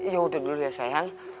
ya udah dulu deh sayang